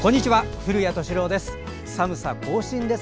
古谷敏郎です。